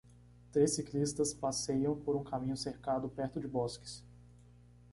Três ciclistas passeiam por um caminho cercado perto de bosques.